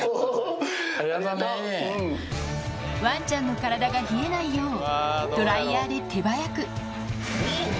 ワンちゃんの体が冷えないようドライヤーで手早くいいね。